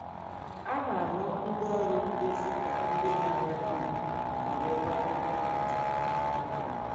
A na-ahụ ndi ọrụ nkuzi ka ndi mara ihe ma nwekwa oke mmụta.